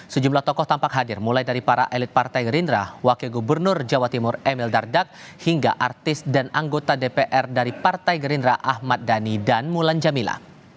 sejumlah tokoh tampak hadir mulai dari para elit partai gerindra wakil gubernur jawa timur emil dardak hingga artis dan anggota dpr dari partai gerindra ahmad dhani dan mulan jamila